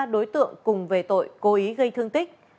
ba đối tượng cùng về tội cố ý gây thương tích